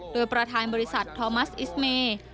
โดยประธานบริษัททอมัสอิสเมย์